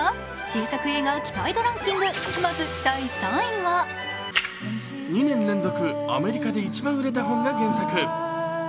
新作映画期待度ランキング、まず第３位は２年連続アメリカで一番売れた本が原作。